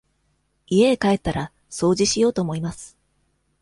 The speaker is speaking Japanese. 家へ帰ったら、掃除しようと思います。